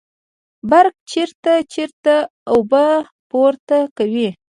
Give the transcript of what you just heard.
برق چړت چړت اوبه پورته کوي.